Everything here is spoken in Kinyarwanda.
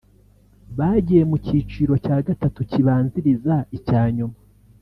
bagiye mu cyiciro cya gatatu kibanziriza icya nyuma